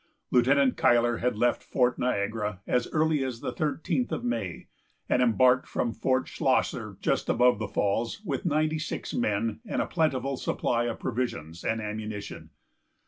Lieutenant Cuyler had left Fort Niagara as early as the thirteenth of May, and embarked from Fort Schlosser, just above the falls, with ninety six men and a plentiful supply of provisions and ammunition.